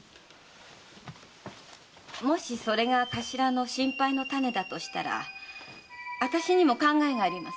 もしそれが頭の心配の種でしたら私にも考えがあります。